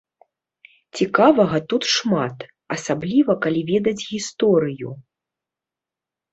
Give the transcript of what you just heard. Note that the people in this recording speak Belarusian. Цікавага тут шмат, асабліва калі ведаць гісторыю.